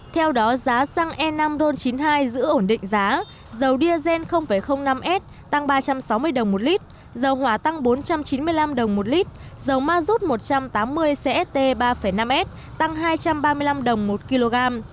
theo đó giá xăng e năm ron chín mươi hai giữ ổn định giá dầu diesel năm s tăng ba trăm sáu mươi đồng một lít dầu hỏa tăng bốn trăm chín mươi năm đồng một lít dầu ma rút một trăm tám mươi cst ba năm s tăng hai trăm ba mươi năm đồng một kg